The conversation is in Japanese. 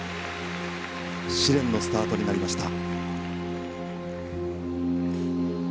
試練のスタートになりました。